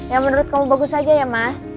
ya menurut kamu bagus saja ya mas